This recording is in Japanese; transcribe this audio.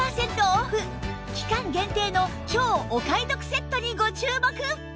期間限定の超お買い得セットにご注目！